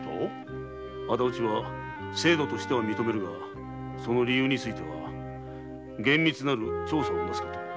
「仇討ちは制度としては認めるがその理由については厳密なる調査をなすこと。